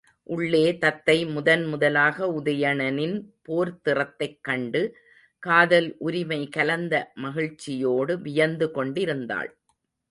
உள்ளே தத்தை முதன் முதலாக உதயணனின் போர்த்திறத்தைக் கண்டு காதல் உரிமை கலந்த மகிழ்ச்சியோடு வியந்து கொண்டிருந்தாள்.